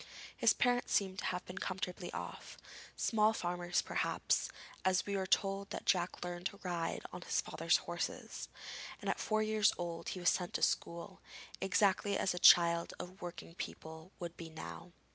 His parents seem to have been comfortably off small farmers perhaps, as we are told that Jack learned to ride on his father's horses; and at four years old he was sent to school, exactly as a child of working people would be now.